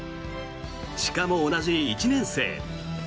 しかも、同じ１年生。